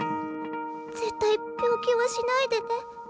絶対病気はしないでね。